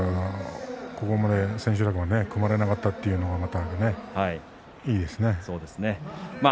ここまで千秋楽まで組まれなかったというのがいいですね。